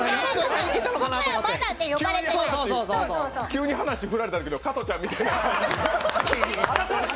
急に話振られたときの加トちゃんみたいな。